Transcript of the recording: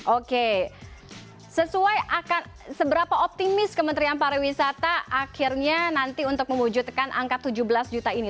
oke sesuai akan seberapa optimis kementerian pariwisata akhirnya nanti untuk mewujudkan angka tujuh belas juta ini